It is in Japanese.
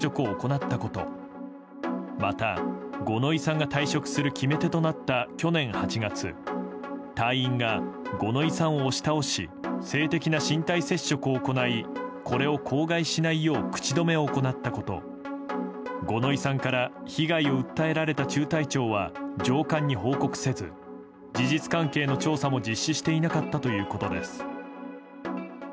演習場で、野営をしていた際に隊員が性的な身体接触を行ったことまた、五ノ井さんが退職する決め手となった去年８月隊員が五ノ井さんを押し倒し性的な身体接触を行いこれを口外しないよう口止めを行ったこと五ノ井さんから被害を訴えられた中隊長は上官に報告せず事実関係の調査も実施していなかったということです。